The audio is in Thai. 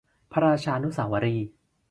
พระราชานุสาวรีย์